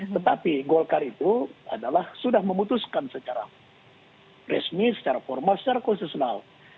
tetapi golkar itu adalah sudah memutuskan secara resmi secara formal secara konstitusional